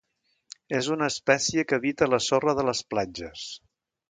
És una espècie que habita a la sorra de les platges.